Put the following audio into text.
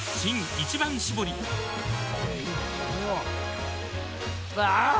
「一番搾り」あぁー！